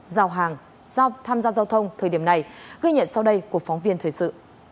giao hàng giao tham gia giao thông thời điểm này ghi nhận sau đây của phóng viên thời sự